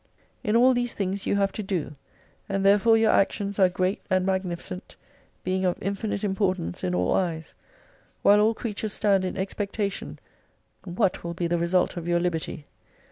In all these things you have to do ; and therefore your actions are great and magnificent, being of infinite importance in all eyes ; while all creatures stand in expectation what v/ill be the result of your liberty.